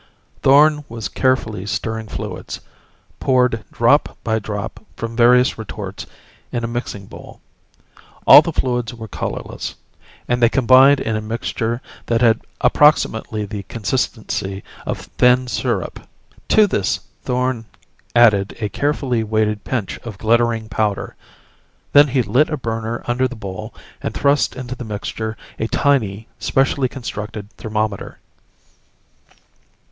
Thorn was carefully stirring fluids, poured drop by drop from various retorts, in a mixing bowl. All the fluids were colorless; and they combined in a mixture that had approximately the consistency of thin syrup. To this, Thorn added a carefully weighted pinch of glittering powder. Then he lit a burner under the bowl, and thrust into the mixture a tiny, specially constructed thermometer.